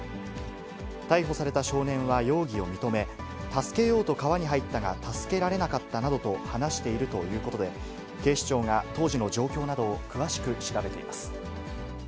逮捕された少年は容疑を認め、助けようと川に入ったが、助けられなかったなどと話しているということで、警視庁が当時の状況などを詳しく調べています。